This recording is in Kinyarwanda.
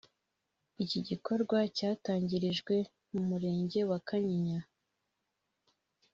Iki gikorwa cyatangirijwe mu Murenge wa Kanyinya